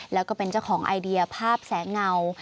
แล้วก็เป็นเจ้าของไอเดียภาพแสงเงา